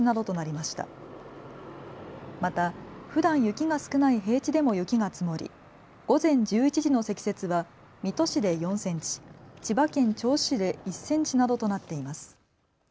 またふだん雪が少ない平地でも雪が積もり午前１１時の積雪は水戸市で４センチ千葉県銚子市で１センチなどとなっています。